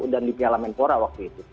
dan di piala mentora waktu itu